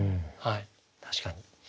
確かに。